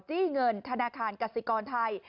จี้เงินธนาคารกสิกรไทย